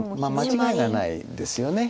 間違いがないですよね。